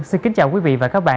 xin kính chào quý vị và các bạn